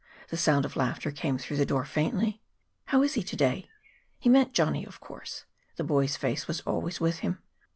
The sound of laughter came through the door faintly. "How is he to day?" He meant Johnny, of course. The boy's face was always with him.